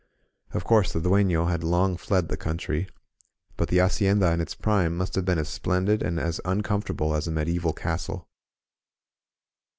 Of course the duefk) had long fled the country; but the hacienda in its prime must have been as splendid and as uncomfortable as a medieval castle.